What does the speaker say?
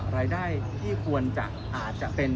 รายได้ที่ควรจะอาจจะเป็น